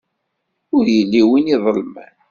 Ur yelli win iḍelmen.